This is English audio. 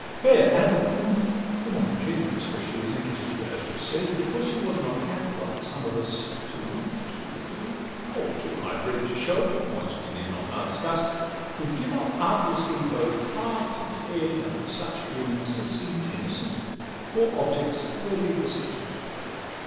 Fair Adeline, the more ingenuous Where she was interested (as was said), Because she was not apt, like some of us, To like too readily, or too high bred To show it (points we need not now discuss)— Would give up artlessly both heart and head Unto such feelings as seem'd innocent, For objects worthy of the sentiment.